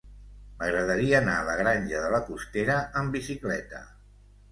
M'agradaria anar a la Granja de la Costera amb bicicleta.